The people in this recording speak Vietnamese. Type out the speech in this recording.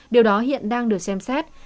điều đó hiện đang được xem xét